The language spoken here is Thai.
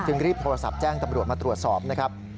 รีบโทรศัพท์แจ้งตำรวจมาตรวจสอบนะครับ